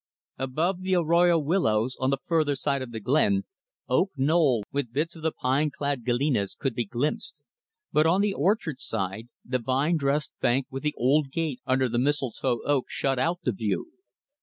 Above the arroyo willows, on the farther side of the glade, Oak Knoll, with bits of the pine clad Galenas, could be glimpsed; but on the orchard side, the vine dressed bank with the old gate under the mistletoe oak shut out the view.